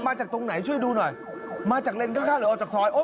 มาจากตรงไหนช่วยดูหน่อยมาจากแดนคือหรือออกจากทอยล์โอ้ย